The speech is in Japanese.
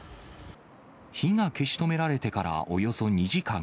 火が消し止められてからおよそ２時間。